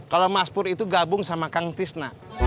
kalau mas pur itu gabung sama kang tisna